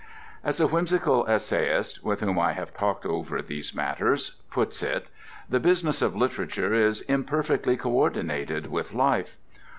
As a whimsical essayist (with whom I have talked over these matters) puts it, the business of literature is imperfectly coordinated with life.